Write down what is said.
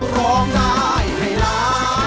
ร้องได้ให้ล้าน